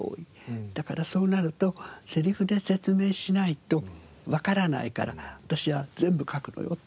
「だからそうなるとセリフで説明しないとわからないから私は全部書くのよ」って。